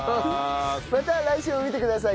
それでは来週も見てください。